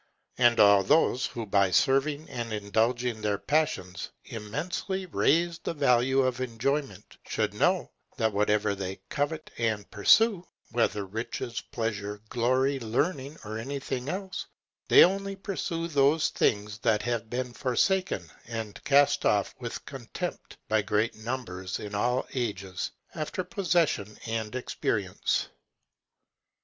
And all those who by serving and indulging their passions immensely raise the value of enjoyment, should know, that whatever they covet and pursue, whether riches, pleasure, glory, learning, or anything else, they only pursue those things that have been forsaken and cast off with contempt by great numbers in all ages, after possession and experience.